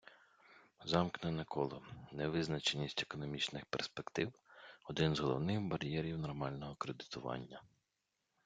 Замкнене коло Невизначеність економічних перспектив — один з головних бар'єрів нормального кредитування.